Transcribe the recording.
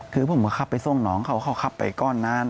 คือผมก็ขับไปส่งน้องเขาเขาขับไปก้อนนั้น